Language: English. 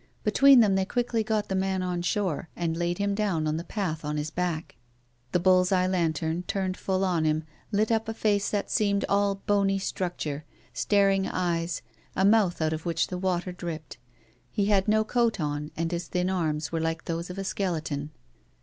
Between them they quickly got the man on shore, and laid him down on the path on his back. The bull's eye lantern, turned full on him, lit up a face that seemed all bony structure, staring eyes, a mouth out of which the water dripped. He had no coat on and his thin arms were like those of a skeleton.